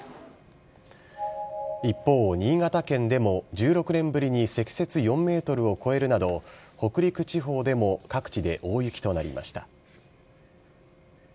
一方、新潟県でも、１６年ぶりに積雪４メートルを超えるなど、北陸地方でも各地で大雪となりました。